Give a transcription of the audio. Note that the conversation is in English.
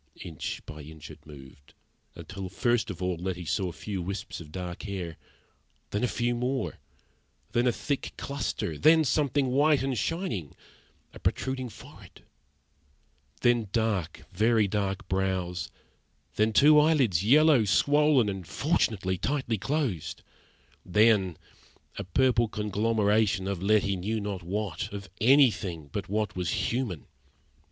Inch by inch it moved, until first of all Letty saw a few wisps of dark hair, then a few more, then a thick cluster; then something white and shining a protruding forehead; then dark, very dark brows; then two eyelids, yellow, swollen, and fortunately tightly closed; then a purple conglomeration of Letty knew not what of anything but what was human.